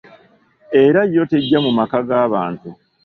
Era yo tejja mu maka g’abantu.